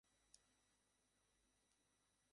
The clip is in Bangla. ইহলৌকিক পরলৌকিক কথা শুনেন।